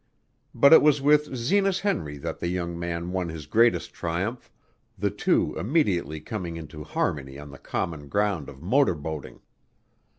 But it was with Zenas Henry that the young man won his greatest triumph, the two immediately coming into harmony on the common ground of motor boating.